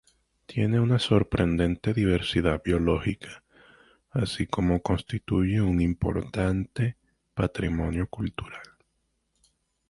Tiene una sorprendente diversidad biológica, así como constituye un importante patrimonio cultural.